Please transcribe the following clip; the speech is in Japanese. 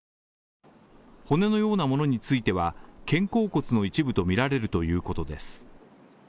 骨のようなものについては、肩甲骨の一部とみられるということです。